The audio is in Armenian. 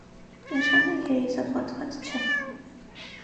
Նշանը երիզապատված չէ։